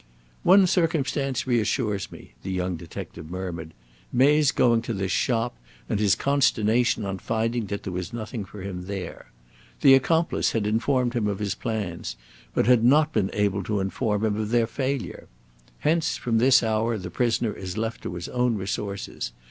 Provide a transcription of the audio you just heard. "One circumstance reassures me," the young detective murmured, "May's going to this shop, and his consternation on finding that there was nothing for him there. The accomplice had informed him of his plans, but had not been able to inform him of their failure. Hence, from this hour, the prisoner is left to his own resources.